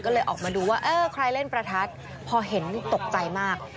ก็เลยออกมาดูว่าเออใครเล่นประทัดพอเห็นตกใจมาก